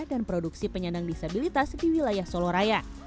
dan produksi penyandang disabilitas di wilayah soloraya